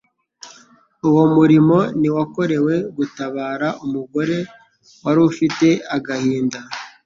Uwo murimo ntiwakorewe gutabara umugore wari ufite agahinda,